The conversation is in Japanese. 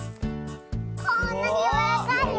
こんなにやわらかいよ。